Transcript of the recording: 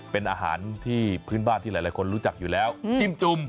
เป็นอาหารที่พื้นบ้านที่หลายคนรู้จักอยู่แล้วจิ้มจุ่ม